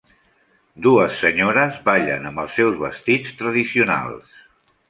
Dues senyores ballen amb els seus vestits tradicionals.